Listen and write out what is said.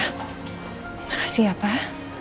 terima kasih ya pak